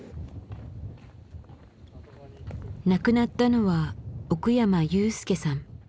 亡くなったのは奥山雄介さん。